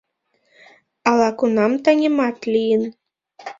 Ала-кунам таҥемат лийын...